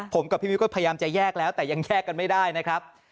ผมกับพี่มิ้วก็พยายามจะแยกแล้วแต่ยังแยกกันไม่ได้นะครับ